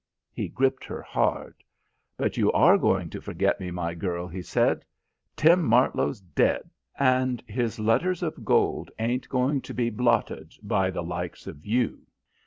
He gripped her hard. "But you are going to forget me, my girl," he said. "Tim Martlow's dead, and his letters of gold ain't going to be blotted by the likes of you.